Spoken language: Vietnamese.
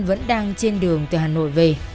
vẫn đang trên đường từ hà nội về